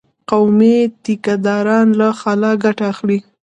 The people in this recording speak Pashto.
قومي ټيکه داران له خلا ګټه اخلي.